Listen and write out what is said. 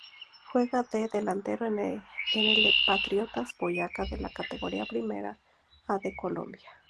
Juega de delantero en el Patriotas Boyacá de la Categoría Primera A de Colombia.